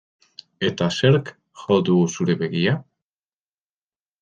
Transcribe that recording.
Eta zerk jo du zure begia?